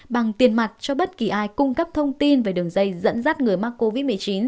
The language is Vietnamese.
bằng tiền mặt cho bất kỳ ai cung cấp thông tin về đường dây dẫn dắt người mắc covid một mươi chín